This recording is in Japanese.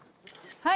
はい。